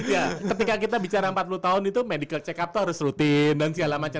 iya ketika kita bicara empat puluh tahun itu medical check up itu harus rutin dan segala macam